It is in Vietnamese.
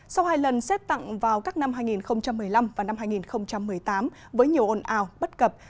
sau hai lần xét tặng vào các năm hai nghìn một mươi năm và năm hai nghìn một mươi tám với nhiều ồn ào bất cập